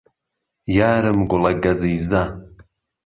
یارم گوڵە گەزیزە